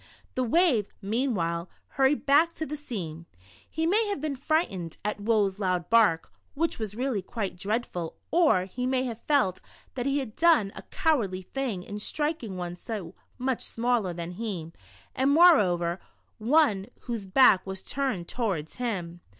The wave, meanwhile, hurried back to the sea. He may have been frightened at Woe's loud bark, which was really quite dreadful, or he may have felt that he had done a cowardly thing in striking one so much smaller than he, and more over one whose back \\as turned towards him.